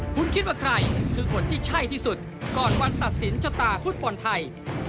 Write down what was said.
คุณคิดว่าใครคือคนที่ใช่ที่สุดก่อนวันตัดสินชะตาฟุตบอลไทย